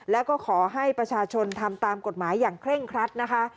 แล้วก็ขอให้ประชาชนทำตามกฎหมายอย่างเคร่งครัดนะคะ